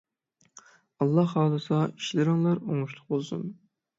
ئاللاھ خالىسا ئىشلىرىڭلار ئوڭۇشلۇق بولسۇن!